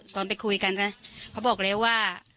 ตอนไปคุยกันนะเขาบอกแล้วว่า